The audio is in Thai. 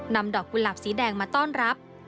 นำดอกกุหลาบสีแดงมาต้อนรับ